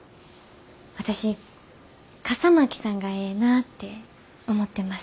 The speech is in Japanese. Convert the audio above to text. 私笠巻さんがええなって思ってます。